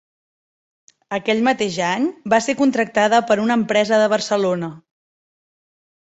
Aquell mateix any va ser contractada per una empresa de Barcelona.